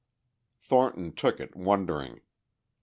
Thornton took it, wondering.